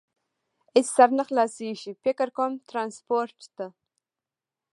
هېڅ سر نه خلاصېږي، فکر کوم، ترانسپورټ ته.